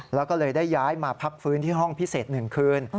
แล้วก็เลยได้ย้ายมาพักฟื้นที่ห้องพิเศษ๑คืน